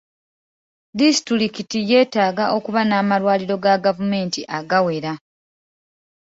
Disitulikiti yeetaaga okuba n'amalwaliro ga gavumenti agawera.